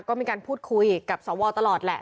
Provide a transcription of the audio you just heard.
ก็มีการพูดคุยกับสวตลอดแหละ